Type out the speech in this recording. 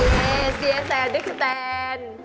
เย้เซียสแสวะและดิ๊กสเต็น